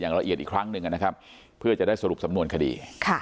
ละเอียดอีกครั้งหนึ่งนะครับเพื่อจะได้สรุปสำนวนคดี